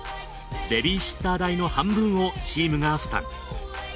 ベビーシッター代の半分をチームが負担。